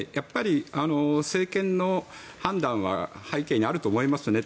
政権の判断は背景にあると思いますね。